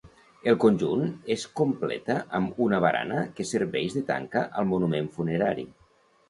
El conjunt es completa amb una barana que serveix de tanca al monument funerari.